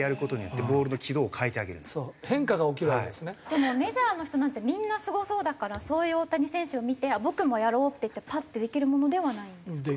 でもメジャーの人なんてみんなすごそうだからそういう大谷選手を見て僕もやろうっていってパッてできるものではないんですか？